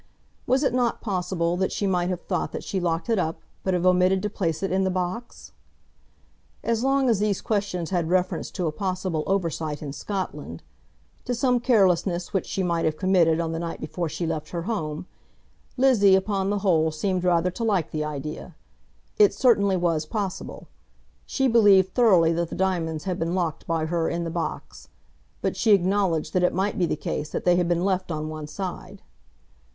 Was it not possible that she might have thought that she locked it up, but have omitted to place it in the box? As long as these questions had reference to a possible oversight in Scotland, to some carelessness which she might have committed on the night before she left her home, Lizzie upon the whole seemed rather to like the idea. It certainly was possible. She believed thoroughly that the diamonds had been locked by her in the box, but she acknowledged that it might be the case that they had been left on one side.